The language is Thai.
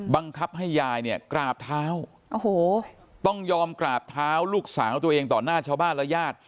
บังคับให้ยายเนี่ยกราบเท้าโอ้โหต้องยอมกราบเท้าลูกสาวตัวเองต่อหน้าชาวบ้านและญาติ